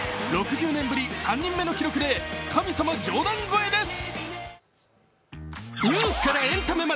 ６０年ぶり３人目の記録で神様・ジョーダン超えです。